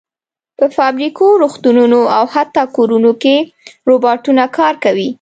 په فابریکو، روغتونونو او حتی کورونو کې روباټونه کار کوي.